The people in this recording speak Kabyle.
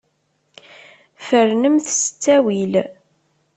Fernemt s ttawil.